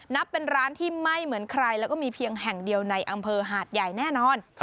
นับเป็นร้านที่ไม่เหมือนใครแล้วก็มีเพียงแห่งเดียวในอำเภอหาดใหญ่แน่นอน